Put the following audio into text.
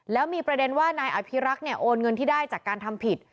แล้วมีประเด็นว่านายอภิรักษ์เนี่ยโอนเงินที่ได้จากการทำผิด